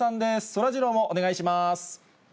そらジローもお願いします。